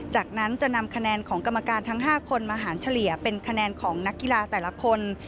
จากนั้นจะนำคะแนนของกรรมการทั้ง๕คนมาหารเฉลี่ยเป็นคะแนนของนักกีฬาแต่ละคน